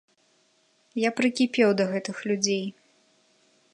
Я прыкіпеў да гэтых людзей.